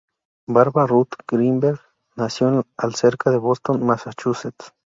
Barbara Ruth Greenberg nació el cerca de Boston, Massachusetts.